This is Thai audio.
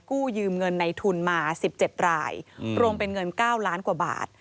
กู้ยืมเงินในทุนมา๑๗รายรวมเป็นเงิน๙ล้านกว่าบาท